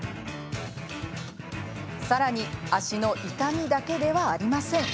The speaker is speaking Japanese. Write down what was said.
さらに足の痛みだけではありません。